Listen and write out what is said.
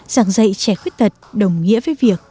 giảng dạy trẻ khuyết tật đồng nghĩa với việc